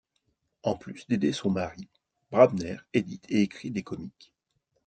En plus d'aider son mari, Brabner édite et écrit des comics.